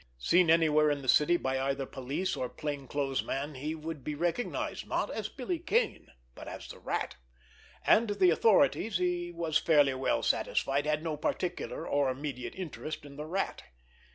Seen anywhere in the city by either police or plain clothes man he would be recognized, not as Billy Kane, but as the Rat—and the authorities, he was fairly well satisfied, had no particular or immediate interest in the Rat.